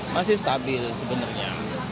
masih stabil sebenarnya